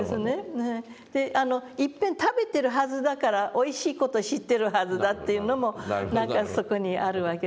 いっぺん食べてるはずだからおいしい事知ってるはずだっていうのも何かそこにあるわけですね。